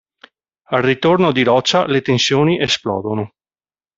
Al ritorno di Roccia, le tensioni esplodono.